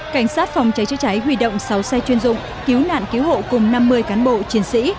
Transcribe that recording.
cảnh sát phòng cháy chữa cháy huy động sáu xe chuyên dụng cứu nạn cứu hộ cùng năm mươi cán bộ chiến sĩ